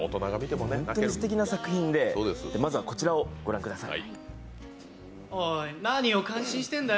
本当にすてきな作品でまずはこちらをご覧ください。